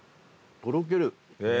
とろける。